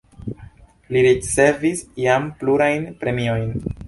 Li ricevis jam plurajn premiojn.